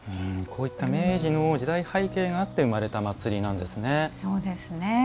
こういった明治の時代背景があって生まれた祭りなんですね。